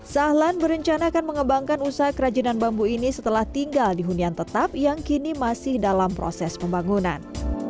sahlan berencana akan mengembangkan usaha kerajinan bambu ini setelah tinggal di hunian tetap yang kini masih dalam proses pembangunan